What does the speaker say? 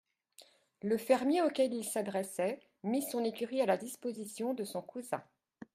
Le fermier auquel il s'adressait mit son écurie à la disposition de son cousin.